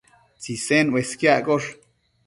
Tsisen uesquiaccosh